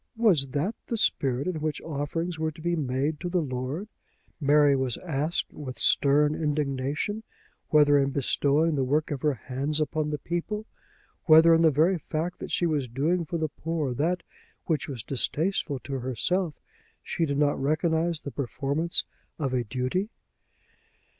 Was that the spirit in which offerings were to be made to the Lord? Mary was asked, with stern indignation, whether in bestowing the work of her hands upon the people, whether in the very fact that she was doing for the poor that which was distasteful to herself, she did not recognise the performance of a duty?